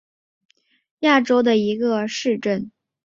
西梅尔斯多尔夫是德国巴伐利亚州的一个市镇。